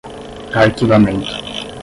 arquivamento